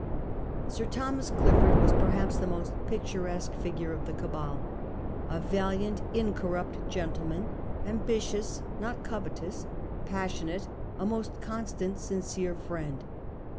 Sir Thomas Clifford was perhaps the most pic turesque figure of the Cabal. 1 A valiant, incorrupt gen tleman, ambitious, not covetous, passionate, a most constant, sincere friend.